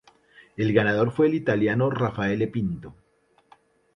El ganador fue el italiano Raffaele Pinto.